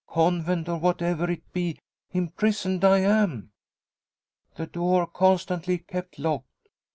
Convent, or whatever it be, imprisoned I am! The door constantly kept locked!